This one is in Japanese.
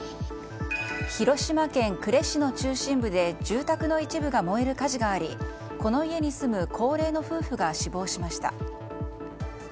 広島県呉市の中心部で住宅の一部が燃える火事がありこの家に住む高齢の夫婦が死亡しました。